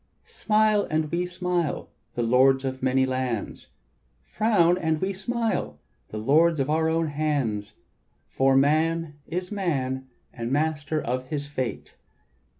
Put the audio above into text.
"Smile and we smile, the lords of many lands; Frown and we smile, the lords of our own hands; For man is man and master of his fate.